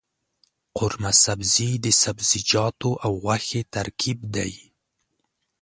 قورمه سبزي د سبزيجاتو او غوښې ترکیب دی.